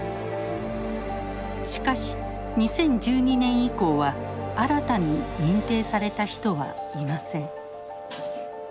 しかし２０１２年以降は新たに認定された人はいません。